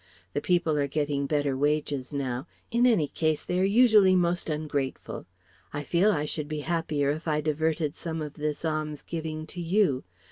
The people are getting better wages now; in any case they are usually most ungrateful. I feel I should be happier if I diverted some of this alms giving to you.